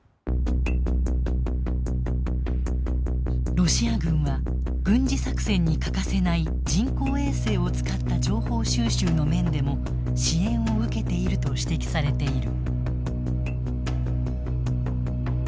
ロシア軍は軍事作戦に欠かせない人工衛星を使った情報収集の面でも支援を受けていると指摘されている。